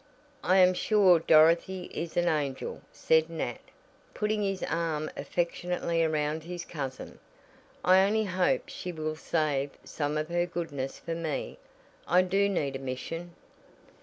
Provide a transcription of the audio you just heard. "I am sure Dorothy is an angel," said Nat, putting his arm affectionately around his cousin. "I only hope she will save some of her goodness for me I do need a mission."